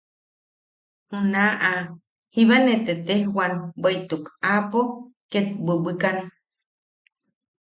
Junaʼa jiba nee tetejwan bweʼituk aapo ket bwibwikan.